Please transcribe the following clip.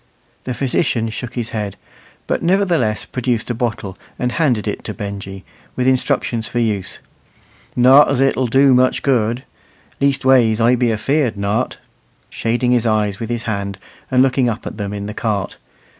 The physician shook his head, but nevertheless produced a bottle, and handed it to Benjy, with instructions for use. "Not as 't'll do 'ee much good leastways I be afeard not," shading his eyes with his hand, and looking up at them in the cart.